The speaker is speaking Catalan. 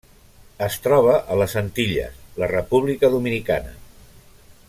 Es troba a les Antilles: la República Dominicana.